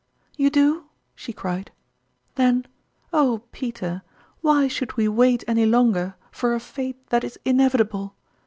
" You do ?" she cried. " Then, oh, Peter ! why should we wait any longer for a fate that is inevitable